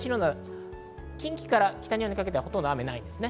近畿から北日本にかけてはほとんど雨はありません。